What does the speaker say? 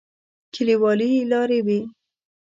کليوالي لارې وې.